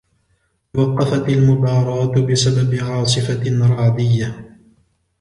توقفت المباراة بسبب عاصفة رعدية.